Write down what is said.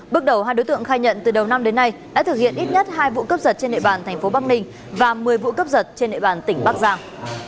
bước đầu hai đối tượng khai nhận từ đầu năm đến nay đã thực hiện ít nhất hai vụ cấp giật trên nệ bàn tp bắc ninh và một mươi vụ cấp giật trên nệ bàn tỉnh bắc giang